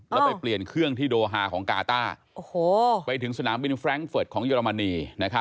แล้วไปเปลี่ยนเครื่องที่โดฮาของกาต้าไปถึงสนามบินแฟรงคเฟิร์ตของเยอรมนี